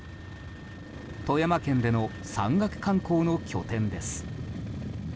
富山県での山岳観光の拠点です。